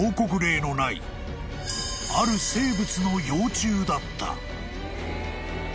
［ある生物の幼虫だった］